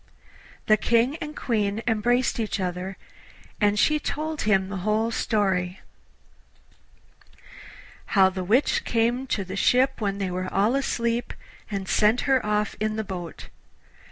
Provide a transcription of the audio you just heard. The King and Queen embraced each other, and she told him the whole story how the Witch came to the ship when they were all asleep and sent her off in the boat.